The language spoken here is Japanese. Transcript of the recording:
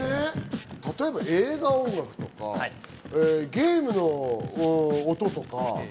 例えば、映画音楽とかゲームの音とか。